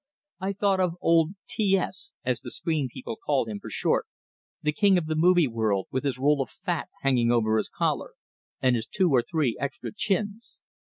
I thought of old "T S," as the screen people call him for short the king of the movie world, with his roll of fat hanging over his collar, and his two or three extra chins!